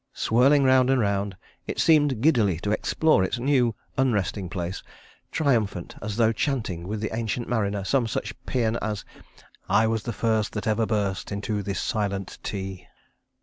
Swirling round and round, it seemed giddily to explore its new unresting place, triumphant, as though chanting, with the Ancient Mariner, some such pæan as "I was the first that ever burst Into this silent tea.